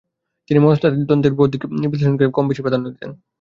তিনি মনস্তাত্ত্বিক দ্বন্দ্বের বৌদ্ধিক বিশ্লেষণকেই গল্পে বেশি প্রাধান্য দিতেন।